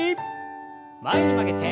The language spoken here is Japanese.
前に曲げて。